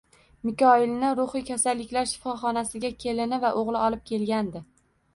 Mikoyilni ruhiy kasalliklar shifoxonasiga kelini va o`g`li olib kelgandi